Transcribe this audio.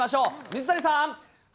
水谷さん。